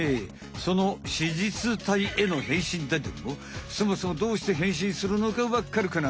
その子実体への変身だどもそもそもどうして変身するのかわっかるかな？